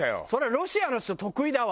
ロシアの人得意だわ。